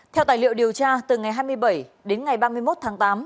theo tài liệu điều tra từ ngày hai mươi bảy đến ngày ba mươi một tháng tám